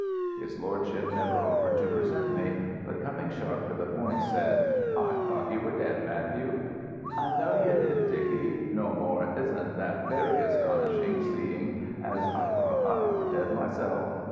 His lordship never offered to present me, but, coming sharp to the point, said: "I thought you were dead, Matthew." "I know ye did, Dicky. Nor more isn't that very astonishing seeing as I thought I were dead myself.